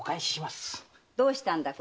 どうしたんだい